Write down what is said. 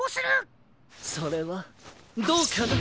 それはどうかな！